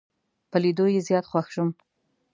په لیدو یې زیات خوښ شوم.